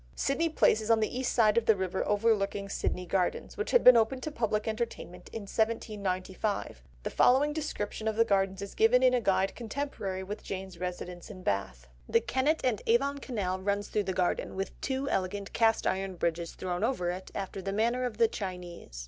Sydney Place is on the east side of the River overlooking Sydney Gardens, which had been opened for public entertainment in 1795; the following description of the Gardens is given in a guide contemporary with Jane's residence in Bath. "The Kennet and Avon Canal runs through the garden, with two elegant cast iron bridges thrown over it, after the manner of the Chinese.